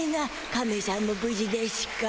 カメしゃんもぶじでしゅか？